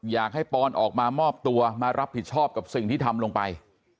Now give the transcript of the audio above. ปอนออกมามอบตัวมารับผิดชอบกับสิ่งที่ทำลงไป